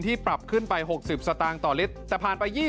โทษภาพชาวนี้ก็จะได้ราคาใหม่